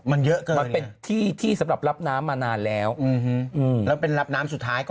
มันเยอะเกินมันเป็นที่ที่สำหรับรับน้ำมานานแล้วแล้วเป็นรับน้ำสุดท้ายก็